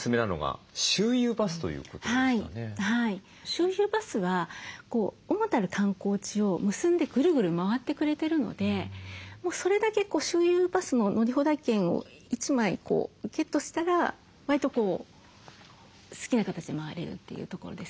周遊バスは主たる観光地を結んでグルグル回ってくれてるのでもうそれだけ周遊バスの乗り放題券を１枚ゲットしたらわりと好きな形で回れるというところですね。